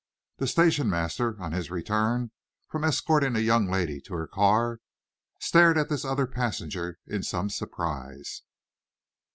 The station master, on his return from escorting the young lady to her car, stared at this other passenger in some surprise.